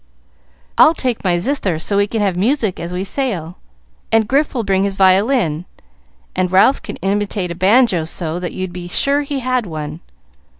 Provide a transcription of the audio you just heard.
"I'll take my zither, so we can have music as we sail, and Grif will bring his violin, and Ralph can imitate a banjo so that you'd be sure he had one.